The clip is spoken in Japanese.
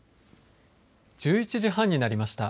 １１時半になりました。